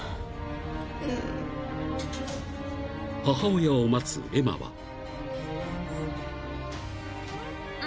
［母親を待つエマは］